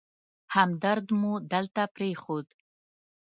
همدرد مو دلته پرېښود.